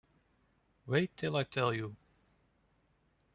Wait till I tell you.